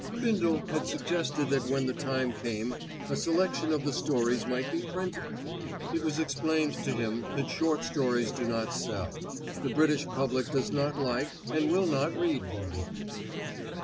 Bindle had suggested that when the time came a selection of the stories might be printed. It was explained to him that short stories do not sell; the British public does not like, and will not read, them.